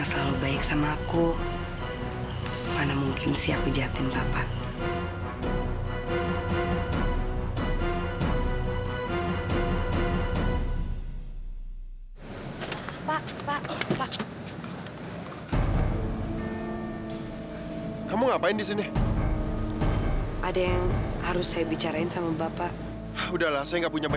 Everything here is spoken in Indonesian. sampai jumpa di video selanjutnya